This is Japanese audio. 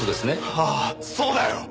ああそうだよ！